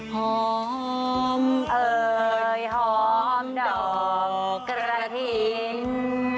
หอมเอ่ยหอมดอกกระถิ่น